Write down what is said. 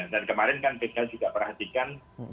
dan kemarin kan kita juga perhatikan